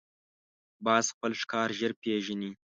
باز خپل ښکار ژر پېژني